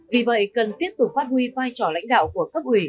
vì vậy cần tiếp tục phát huy vai trò lãnh đạo của cấp ủy